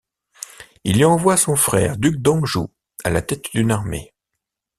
Il y envoie son frère, Duc d’Anjou, à la tête d’une armée.